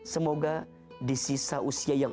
semoga di sisa usia yang